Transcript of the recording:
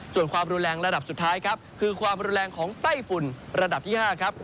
ส่วนความรุนแรงระดับสุดท้ายครับคือความรุนแรงของไต้ฝุ่นระดับที่๕ครับ